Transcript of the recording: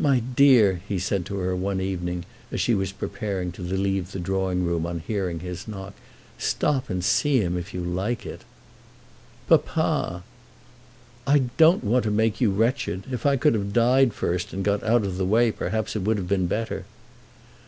"My dear," he said to her one evening, as she was preparing to leave the drawing room on hearing his knock, "stop and see him if you like it." "Papa!" "I don't want to make you wretched. If I could have died first, and got out of the way, perhaps it would have been better."